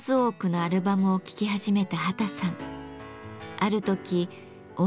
ある時音